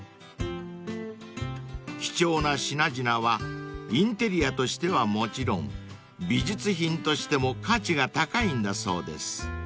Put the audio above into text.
［貴重な品々はインテリアとしてはもちろん美術品としても価値が高いんだそうです］